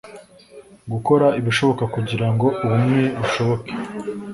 Gukora ibishoboka kugira ngo ubumwe bushoboke